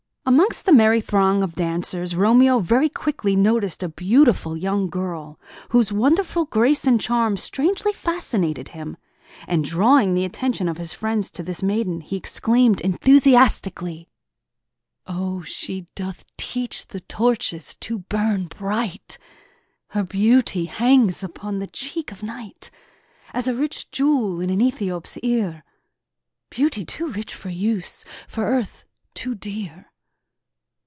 Amongst the merry throng of dancers, Romeo very quickly noticed a beautiful young girl, whose wonderful grace and charm strangely fascinated him; and drawing the attention of his friends to this maiden, he exclaimed enthusiastically: "O, she doth teach the torches to burn bright! Her beauty hangs upon the cheek of night As a rich jewel in an Ethiop's ear; Beauty too rich for use, for earth too dear!